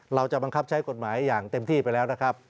เราจะบังคับใช้กฎหมายอย่างเต็มที่ไปแล้วนะครับ